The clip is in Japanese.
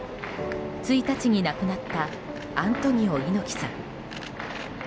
１日に亡くなったアントニオ猪木さん。